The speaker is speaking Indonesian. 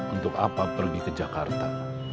untuk apa pergi ke jakarta